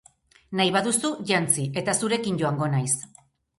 Nahi baduzu, jantzi, eta zurekin joango naiz.